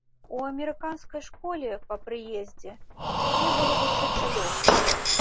У амерыканскай школе па прыездзе мне было вучыцца лёгка.